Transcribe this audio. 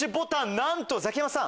なんとザキヤマさん。